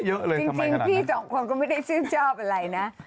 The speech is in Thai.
จริงพี่ลูกของก็ไม่ใช่ชื่อชอบอะไรนะ